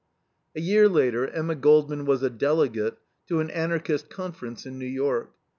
A year later Emma Goldman was a delegate to an Anarchist conference in New York.